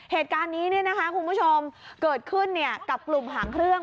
เหตุการณ์นี้คุณผู้ชมเกิดขึ้นกับกลุ่มหางเครื่อง